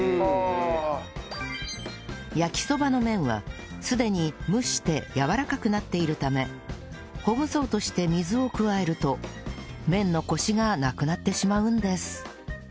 焼きそばの麺はすでに蒸してやわらかくなっているためほぐそうとして水を加えると麺のコシがなくなってしまうんです